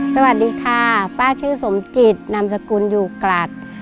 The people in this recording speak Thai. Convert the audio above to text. สวัสดีค่ะป้าชื่อสมจิตนามสกุลอยู่กลัด